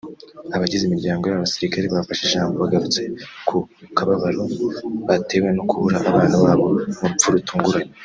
Abagize imiryango y’aba basirikare bafashe ijambo bagarutse ku kababaro batewe no kubura abana babo mu rupfu rutunguranye